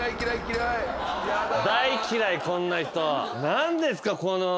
何ですかこの髪形。